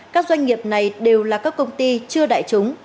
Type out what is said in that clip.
các doanh nghiệp này đều là các công ty chưa đại chúng